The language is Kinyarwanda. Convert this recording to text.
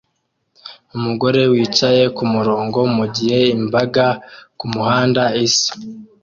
Umugabo wicaye kumurongo mugihe imbaga kumuhanda isa